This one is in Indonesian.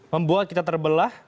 membuat kita terbelah